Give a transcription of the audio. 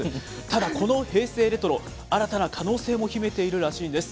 ただ、この平成レトロ、新たな可能性も秘めているらしいんです。